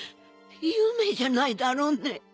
夢じゃないだろうね